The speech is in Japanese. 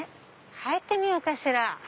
入ってみようかしら。